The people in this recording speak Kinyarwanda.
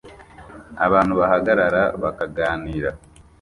Abantu bahagarara bakaganira